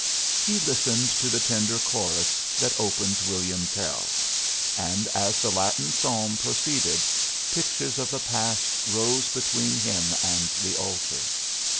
He listened to the tender chorus that opens "William Tell"; and as the Latin psalm proceeded, pictures of the past rose between him and the altar.